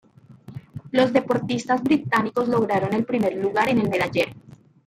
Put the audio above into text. Los deportistas británicos lograron el primer lugar en el medallero.